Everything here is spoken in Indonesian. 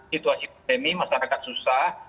situasi pandemi masyarakat susah